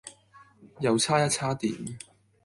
又差一差電